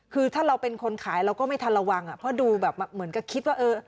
คือถ้าเราเป็นคนขายเราก็ไม่ทันระวังเพราะดูแบบเหมือนกับคิดว่าเออ